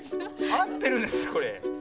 あってるんですかこれ？